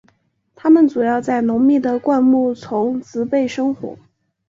它们主要在浓密的灌木丛植被生活。